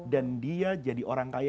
dia jadi orang kaya